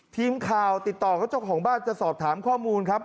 ทีมข่าวติดต่อกับเจ้าของบ้านจะสอบถามข้อมูลครับ